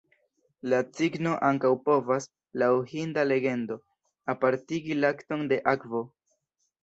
La cigno ankaŭ povas, laŭ hinda legendo, apartigi lakton de akvo.